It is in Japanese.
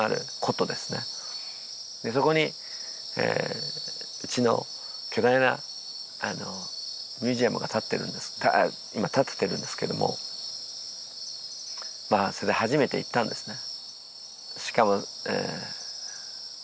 そこにうちの巨大なミュージアムが今建ててるんですけどもまあそれで初めて行ったんですね。